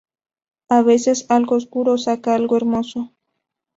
A veces, algo oscuro saca algo hermoso".